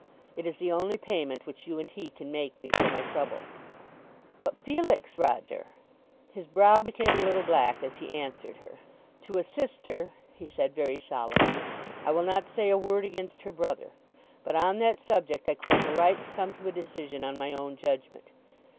It is the only payment which you and he can make me for my trouble." [Illustration: "There goes the last of my anger."] "But Felix, Roger!" His brow became a little black as he answered her. "To a sister," he said very solemnly, "I will not say a word against her brother; but on that subject I claim a right to come to a decision on my own judgment.